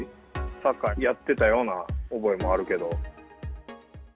サッカーやってたような覚えもあるけど。